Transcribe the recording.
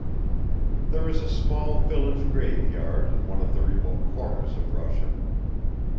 There is a small village graveyard in one of the remote corners of Russia.